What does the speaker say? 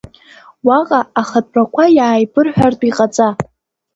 Уаҟа ахатәрақәа иааибырҳәартә иҟаҵа.